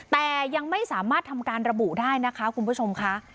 แต่ยังไม่สามารถทำการระบุได้นะคะคุณผู้ชมค่ะ